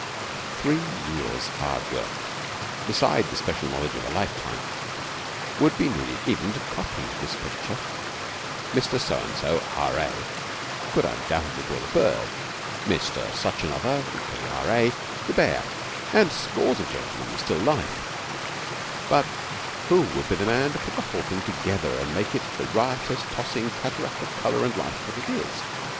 Three years' hard work, beside the special knowledge of a lifetime, would be needed to copy even to copy this picture. Mr. So and so, R.A., could undoubtedly draw the bird; Mr. Such another (equally R.A.) the bear; and scores of gentlemen the still life; but who would be the man to pull the whole thing together and make it the riotous, tossing cataract of colour and life that it is?